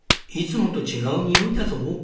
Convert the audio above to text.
いつもと違う匂いだぞ。